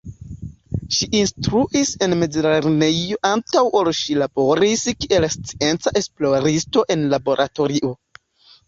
Ŝi instruis en mezlernejo antaŭ ol ŝi laboris kiel scienca esploristo en laboratorio.